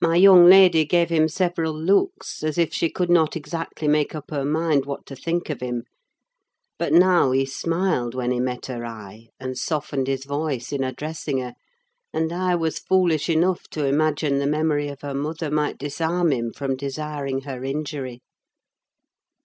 My young lady gave him several looks, as if she could not exactly make up her mind what to think of him; but now he smiled when he met her eye, and softened his voice in addressing her; and I was foolish enough to imagine the memory of her mother might disarm him from desiring her injury.